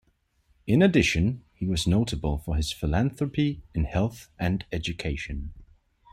In addition, he was notable for his philanthropy in health and education.